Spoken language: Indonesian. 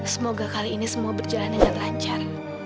semoga kali ini semua berjalan dengan lancar